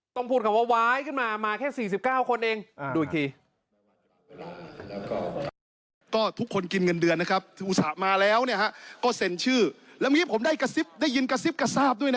ต้องพูดเขาว้ายขึ้นมา